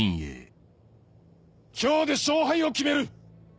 今日で勝敗を決める！